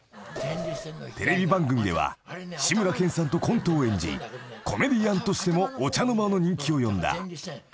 ［テレビ番組では志村けんさんとコントを演じコメディアンとしてもお茶の間の人気を呼んだ］